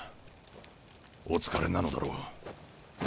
お疲れなのだろう。